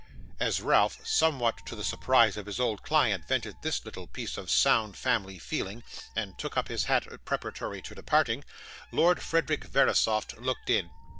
As Ralph, somewhat to the surprise of his old client, vented this little piece of sound family feeling, and took up his hat preparatory to departing, Lord Frederick Verisopht looked in.